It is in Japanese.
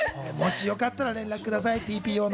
よかったら連絡ください。